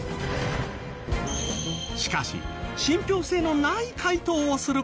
しかし信ぴょう性のない回答をする事もあり。